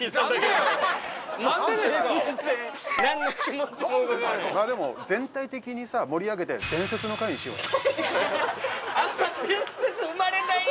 まあでも全体的にさ盛り上げて伝説の回にしようね